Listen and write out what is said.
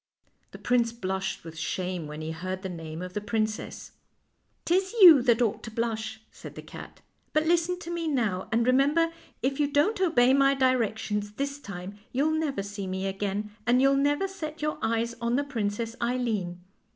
'" The prince blushed with shame when he heard the name of the princess. " 'Tis you that ought to blush," said the cat ;" but listen to me now, and remember, if you don't obey my directions this time you'll never see me again, and you'll never set your eyes on the Princess Eileen.